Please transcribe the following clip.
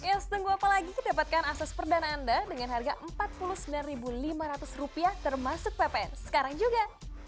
yes tunggu apa lagi dapatkan akses perdana anda dengan harga rp empat puluh sembilan lima ratus termasuk ppn sekarang juga